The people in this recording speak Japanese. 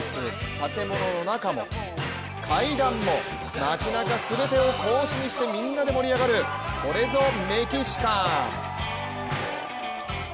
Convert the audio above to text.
建物の中も、階段も、街なか全てをコースにしてみんなで盛り上がるこれぞメキシカン。